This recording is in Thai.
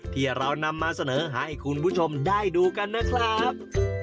ที่เรานำมาเสนอให้คุณผู้ชมได้ดูกันนะครับ